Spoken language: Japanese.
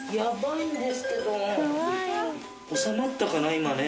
収まったかな今ね。